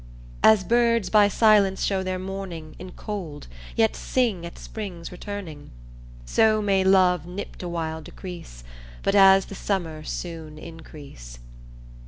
As birds by silence show their mourning In cold, yet sing at Spring's returning So may love nipped awhile decrease But as the Summer soon increase.